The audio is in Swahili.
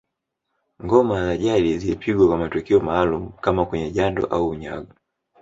Ngoma za jadi zilipigwa kwa matukio maalum kama kwenye jando au unyago